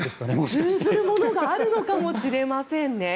通ずるものがあるのかもしれませんね。